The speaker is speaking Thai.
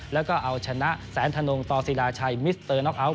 แล้วก็เอาชนะแสนทนงต่อสิราชัยมิสเตอร์น๊อคอัล